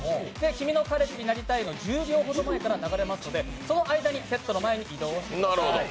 「君の彼氏になりたい」の１０秒前から流れますのでその間にセットの前に移動をしてください。